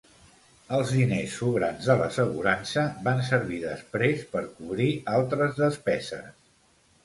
Els diners sobrants de l'assegurança van servir després per cobrir altres despeses.